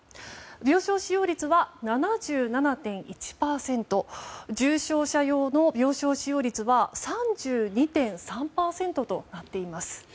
病床使用率は７７．１％重症者用の病床使用率は３２．３％となっています。